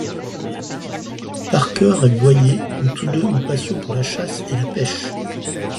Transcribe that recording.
Parker et Boyer ont tous deux une passion pour la chasse et la pêche.